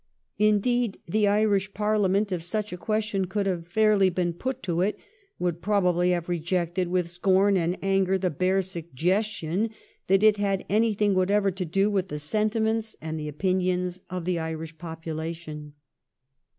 Indeed, the Irish Parliament, if such a question could have fairly been put to it, would probably have rejected with scorn and anger the bare suggestion that it had anything whatever to do with the sentiments and the opinions of the Irish popula tion.